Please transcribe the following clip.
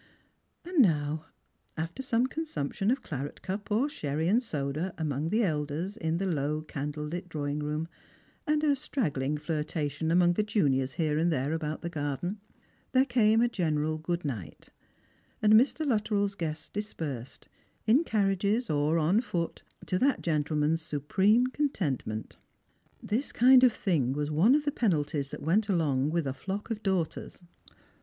And now, after some consumption of claret cup or sherry and soda among the elders in the low candle lit drawing room, and a straggling flirtation among the juniors here and there about the garden, there came a general good night, and Mr. Luttrell's guests dispersed, in carriages or on foot, to that gentleman's supreme contentment. This kind of thing was one of the penalties that went along with a flock of daughters.